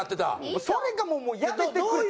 それがもうやめてくれ。